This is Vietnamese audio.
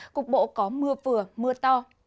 cục bộ có mưa vừa mưa to